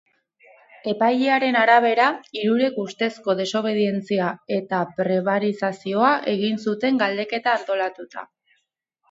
Epailearen arabera, hirurek ustezko desobedientzia eta prebarikazioa egin zuten galdeketa antolatuta.